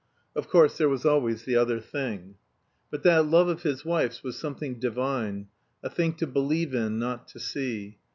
(Of course, there was always the other thing.) But that love of his wife's was something divine a thing to believe in, not to see.